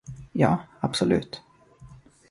Ja, absolut.